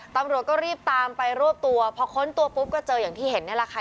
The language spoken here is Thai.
ตำรวจก็รีบตามไปรวบตัวพอค้นตัวปุ๊บก็เจออย่างที่เห็นนี่แหละค่ะ